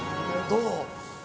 どう？